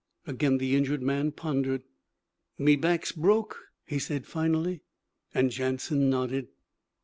Again the injured man pondered. 'Me back's broke?' he said finally, and Jansen nodded.